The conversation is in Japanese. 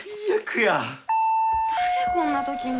誰こんな時に。